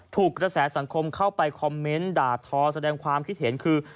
กระแสสังคมเข้าไปคอมเมนต์ด่าทอแสดงความคิดเห็นคือ